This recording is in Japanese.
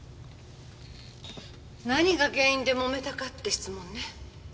何が原因で揉めたかって質問ね。